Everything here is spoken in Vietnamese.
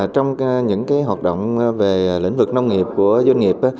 trong những hoạt động về lĩnh vực nông nghiệp của doanh nghiệp